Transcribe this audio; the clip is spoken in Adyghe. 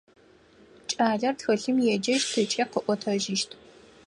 Кӏалэр тхылъым еджэщт ыкӏи къыӏотэжьыщт.